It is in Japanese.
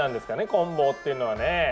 こん棒っていうのはね。